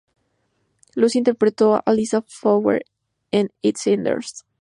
Lucy interpretó a Lisa Fowler en EastEnders.